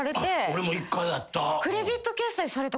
俺も１回あった。